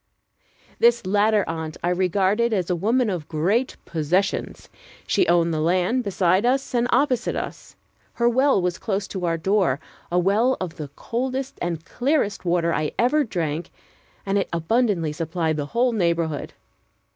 This latter aunt I regarded as a woman of great possessions. She owned the land beside us and opposite us. Her well was close to our door, a well of the coldest and clearest water I ever drank, and it abundantly supplied the whole neighborhood.